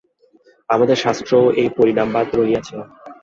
আমাদের শাস্ত্রেও এই পরিণামবাদ রহিয়াছে।